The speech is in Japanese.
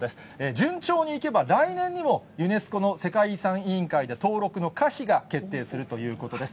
順調にいけば来年にもユネスコの世界遺産委員会で登録の可否が決定するということです。